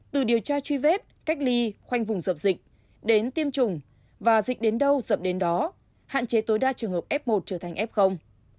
từ điều tra truy vết cách ly khoanh vùng dập dịch đến tiêm chủng và dịch đến đâu dẫn đến đó hạn chế tối đa trường hợp f một trở thành f